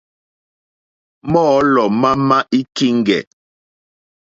Mɔ́ɔ̌lɔ̀ má má í kíŋɡɛ̀.